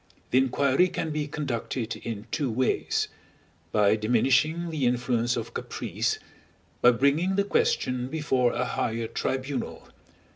The inquiry can be conducted in two ways: by diminishing the influence of caprice; by bringing the question before a higher tribunal.